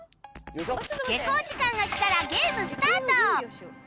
下校時間がきたらゲームスタート！